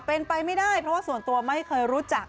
เป็นไปไม่ได้เพราะว่าส่วนตัวไม่เคยรู้จัก